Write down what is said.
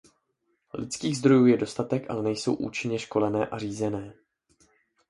Lidských zdrojů je dostatek, ale nejsou účinně školené a řízené.